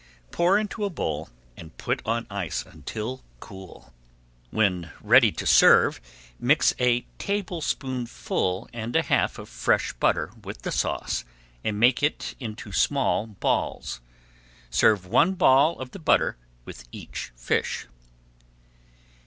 Pour into a bowl and put on ice until cool. When ready to serve, mix a tablespoonful and a half of fresh butter with the sauce and make it into small balls. Serve one ball of the butter with each fish.